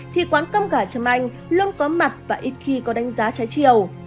thì quán cơm gà châm anh luôn có mặt và ít khi có đánh giá trái chiều